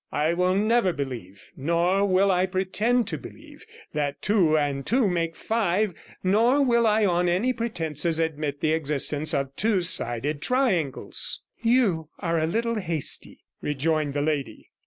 I will never believe, nor will I pretend to believe, that two and two make five, nor will I on any pretences admit the existence of two sided triangles.' 42 'You are a little hasty,' rejoined the lady.